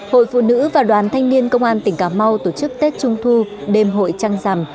hội phụ nữ và đoàn thanh niên công an tỉnh cà mau tổ chức tết trung thu đêm hội trăng rằm